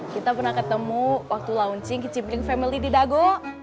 kita pernah ketemu waktu launching kecipling family di dago